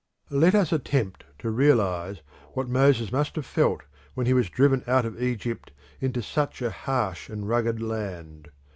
Let us attempt to realise what Moses must have felt when he was driven out of Egypt into such a harsh and rugged land.